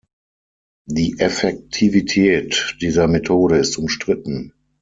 Die Effektivität dieser Methode ist umstritten.